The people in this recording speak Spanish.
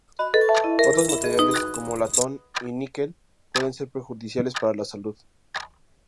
Otros materiales como latón y níquel pueden ser perjudiciales para la salud.